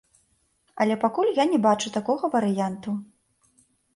Але пакуль я не бачу такога варыянту.